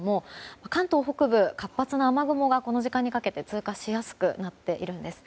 関東北部、活発な雨雲がこの時間にかけて通過しやすくなっているんです。